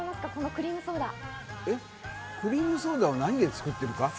クリームソーダを何で作ってるか？